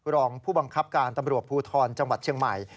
รองผู้บังคับการตำรวจภูทรจังหวัดเชียงใหม่